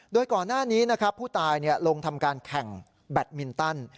โดยก่อนหน้านี้นะครับผู้ตายลงทำการแข่งแบตมินตัน